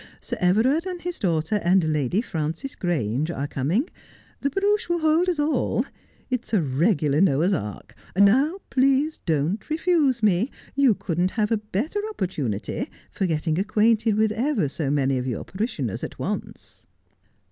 ' Sir Everard and his daughter, and Lady Frances Grange are coming. The barouche will hold us all. It is a regular Noah's ark. Now, please, don't refuse me. You couldn't have a better opportunity for getting acquainted with ever so many of your parishioners at once.'